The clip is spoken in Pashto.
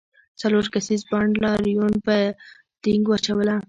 څلور کسیز بانډ لاریون پر دینګ واچوله.